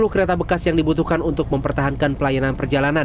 sepuluh kereta bekas yang dibutuhkan untuk mempertahankan pelayanan perjalanan